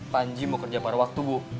panji mau kerja pada waktu bu